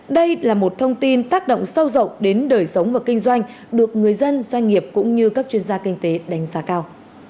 đây là một thông tin tác động sâu rộng đến đời sống và kinh doanh được người dân doanh nghiệp cũng như các chuyên gia kinh tế đánh giá cao